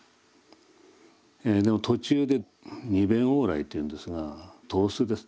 でも途中で二便往来というんですが東司です